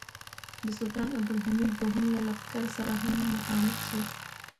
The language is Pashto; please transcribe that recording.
د سلطان عبدالحمید دوهم له لښکر سره هم مخامخ شو.